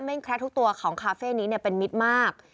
่งแคระทุกตัวของคาเฟ่นี้เป็นมิตรมาก